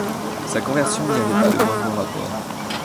Sa conversion n’y avait pas le moindre rapport.